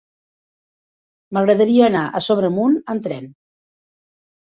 M'agradaria anar a Sobremunt amb tren.